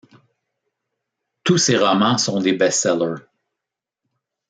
Tous ses romans sont des best-sellers.